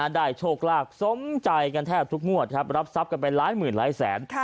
ได้โชคลากทรมไจกันแทบทุกมวดรับทรัพย์กันไปล้ายหมื่นลายแสน